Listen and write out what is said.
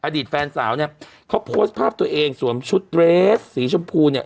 อดีตแฟนสาวเนี่ยเขาโพสต์ภาพตัวเองสวมชุดเรสสีชมพูเนี่ย